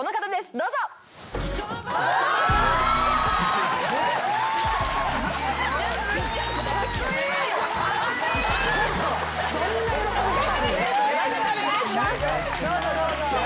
どうぞどうぞ。